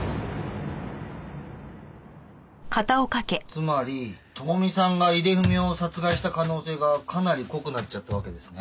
つまり朋美さんが井出文雄を殺害した可能性がかなり濃くなっちゃったわけですね。